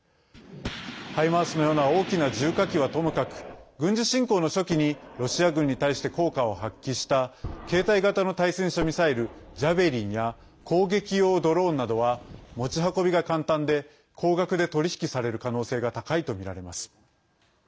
「ハイマース」のような大きな重火器はともかく軍事侵攻の初期にロシア軍に対して効果を発揮した携帯型の対戦車ミサイル「ジャベリン」や攻撃用ドローンなどは持ち運びが簡単で高額で取り引きされる可能性が高いとみられます。